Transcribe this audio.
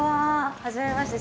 はじめまして。